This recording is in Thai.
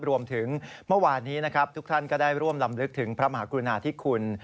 เมื่อวานนี้นะครับทุกท่านก็ได้ร่วมลำลึกถึงพระมหากรุณาธิคุณ